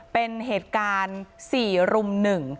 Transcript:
เป็นเหตุการณ์สี่รุมหนึ่ง